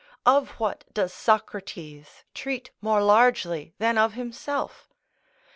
Of what does Socrates treat more largely than of himself?